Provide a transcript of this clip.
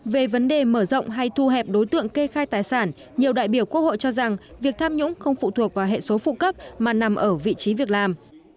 về vấn đề mở rộng hay thu hẹp đối tượng kê khai tài sản nhiều đại biểu quốc hội cho rằng việc tham nhũng không phụ thuộc vào hệ số phụ cấp mà nằm ở vị trí việc làm